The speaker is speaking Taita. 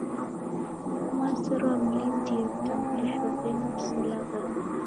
Mwazerwa mlindie vitambulisho venyu viselaghae